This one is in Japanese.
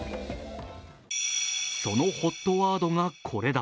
そのＨＯＴワードがこれだ。